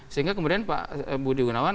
sehingga kemudian pak budi gunawan